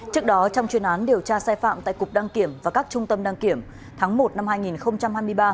trước đó trong chuyên án điều tra sai phạm tại cục đăng kiểm và các trung tâm đăng kiểm tháng một năm hai nghìn hai mươi ba